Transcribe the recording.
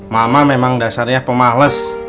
mama memang dasarnya pemahles